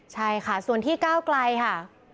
ใช่ค่ะส่วนที่ก้าวไกลค่ะ